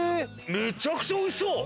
めちゃくちゃおいしそう！